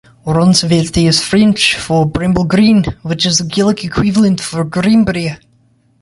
"Ronceverte" is French for "Bramble Green", which is the Gallic equivalent for "Greenbrier".